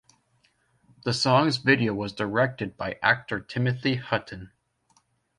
The song's video was directed by actor Timothy Hutton.